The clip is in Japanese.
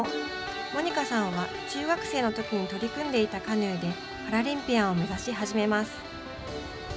モニカさんは、中学生のときに取り組んでいたカヌーでパラリンピアンを目指し始めます。